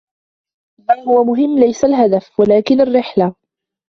ما هو مهم ليس الهدف, ولكن الرحلة.